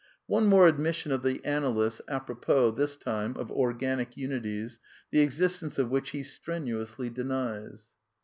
One more admission of the analyst, a propos, this time, of QjgasiS ^wties, the e xistence of which he strenu ously d enies.